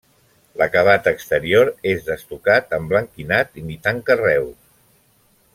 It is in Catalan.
L'acabat exterior és d'estucat emblanquinat imitant carreus.